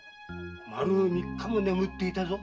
まる三日も眠っていたぞ。